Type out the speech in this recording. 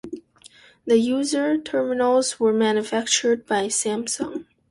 The user terminals were manufactured by Samsung.